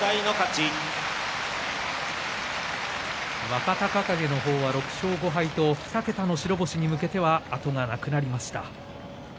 若隆景の方は６勝５敗と２桁の勝利に向けては後がなくなりました。